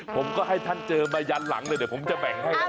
ผมก็ให้ท่านเจอมายันหลังเลยเดี๋ยวผมจะแบ่งให้แล้ว